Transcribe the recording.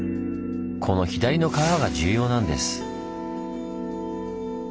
この左の川が重要なんです。